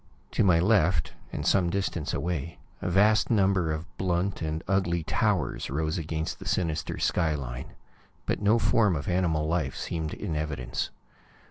To my left, and some distance away, a vast number of blunt and ugly towers rose against the sinister skyline, but no form of animal life seemed in evidence.